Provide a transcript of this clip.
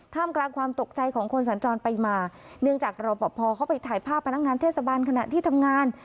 มกลางความตกใจของคนสัญจรไปมาเนื่องจากรอปภเขาไปถ่ายภาพพนักงานเทศบาลขณะที่ทำงาน